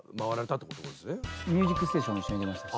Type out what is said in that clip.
『ミュージックステーション』も一緒に出ましたし。